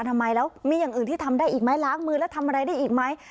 ทำไมแล้วมีอย่างอื่นที่ทำได้อีกไหมล้างมือแล้วทำอะไรได้อีกไหม